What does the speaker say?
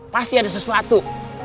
pasti ada sesuatu